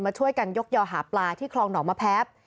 ช่วยกันยกยอหาปลาที่คลองหนองมะแพ้